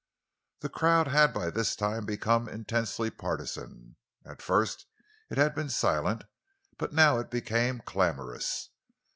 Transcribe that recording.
The crowd had by this time become intensely partisan. At first it had been silent, but now it became clamorous.